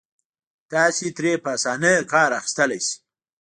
تاسې ترې په اسانۍ کار اخيستلای شئ.